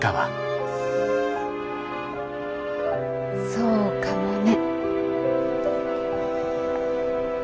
そうかもね。